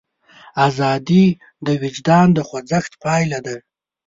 ازادي د وجدان د خوځښت پایله ده.